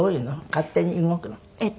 勝手に動くの？